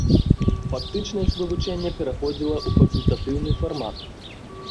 Фактычна іх вывучэнне пераходзіла ў факультатыўны фармат.